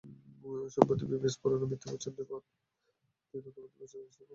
সম্প্রতি বিবিএস পুরোনো ভিত্তিবছর বাদ দিয়ে নতুন ভিত্তিবছর ধরে গণনা শুরু করে।